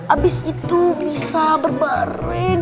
abis itu bisa berbareng